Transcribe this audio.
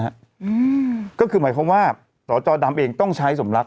อืมก็คือหมายความว่าสอจอดำเองต้องใช้สมรัก